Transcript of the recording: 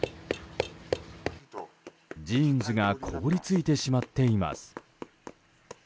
ジーンズが凍り付いてしまっています。